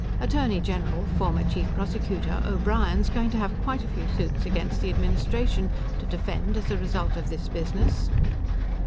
Attorney General former Chief Prosecutor O'Brien's going to have quite a few suits against the administration to defend as a result of this business."